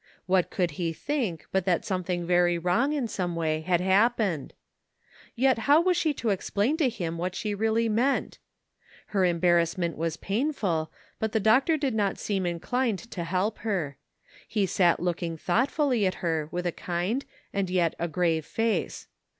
What could he think but that something very wrong in some way had hap pened? Yet how was she to explain to him what she really meant? Her embarrassment was painful, but the doctor did not seem in clined to help her ; he sat looking thoughtfully at her with a kind, and yet a grave face.